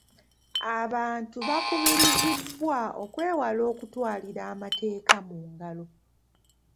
Abantu bakubirizibwa okwewala okutwalira amateeka mu ngalo.